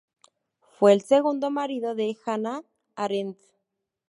Fue el segundo marido de Hannah Arendt.